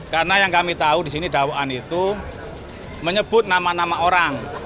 karena yang kami tahu di sini dakwaan itu menyebut nama nama orang